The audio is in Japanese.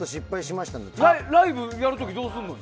ライブやる時どうするの？